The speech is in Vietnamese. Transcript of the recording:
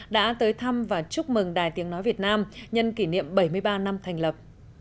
đã tới thăm và chúc mừng đài tiếng nói việt nam nhân kỷ niệm bảy mươi ba năm thành lập